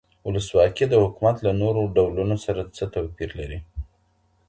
ولسواکي د حکومت له نورو ډولونو سره څه توپير لري؟